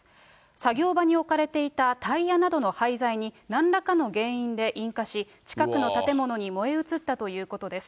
作業場に置かれていたタイヤなどの廃材になんらかの原因で引火し、近くの建物に燃え移ったということです。